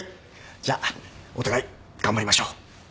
じゃあお互い頑張りましょう。